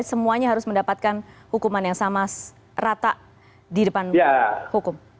semuanya harus mendapatkan hukuman yang sama rata di depan hukum